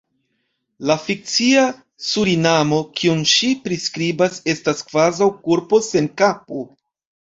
La fikcia Surinamo, kiun ŝi priskribas, estas kvazaŭ korpo sen kapo.